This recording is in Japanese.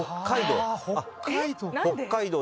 北海道？